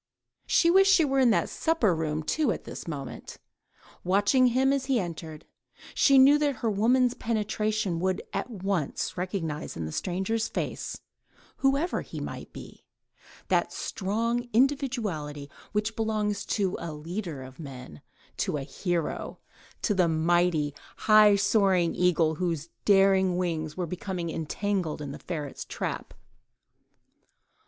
She wished she were in the supper room, too, at this moment, watching him as he entered; she knew that her woman's penetration would at once recognise in the stranger's face—whoever he might be—that strong individuality which belongs to a leader of men—to a hero: to the mighty, high soaring eagle, whose daring wings were becoming entangled in the ferret's trap.